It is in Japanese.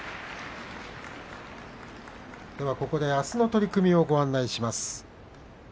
ここであすの取組をご案内します。